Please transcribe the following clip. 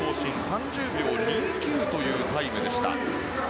３０秒２９というタイムでした。